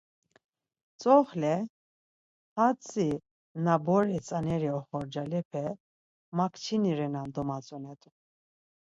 Tzoxle, hatzi na bore tzaneri oxorcalepe, ma kçini renan domatzonetu.